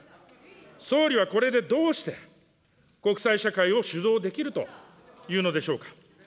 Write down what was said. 総理はこれでどうして国際社会を主導できるというのでしょうか。